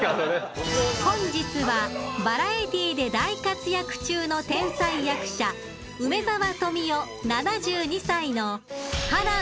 ［本日はバラエティーで大活躍中の天才役者梅沢富美男７２歳の］